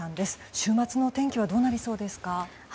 週末の天気はどうなりそうですか？